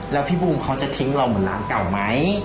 แล้วพี่บูมเขาจะทิ้งเราเหมือนร้านเก่าไหม